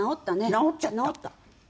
治っちゃった！